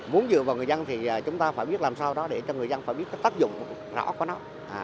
muốn dựa vào người dân thì chúng ta phải biết làm sao đó để cho người dân phải biết tác dụng rõ của nó